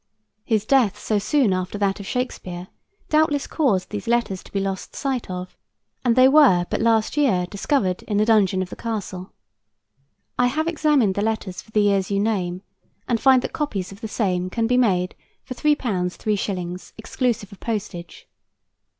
His death, so soon after that of Shakespeare, doubtless caused these letters to be lost sight of, and they were but last year discovered in the donjon of the castle. I have examined the letters for the years you name, and find that copies of the same can be made for £3 3s., exclusive of postage.